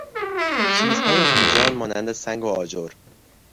چیزهای بیجان مانند سنگ و آجر